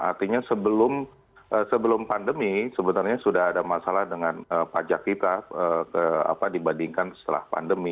artinya sebelum pandemi sebenarnya sudah ada masalah dengan pajak kita dibandingkan setelah pandemi